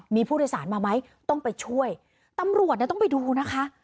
มีผู้โดยสารมาไหมต้องไปช่วยตำรวจเนี่ยต้องไปดูนะคะ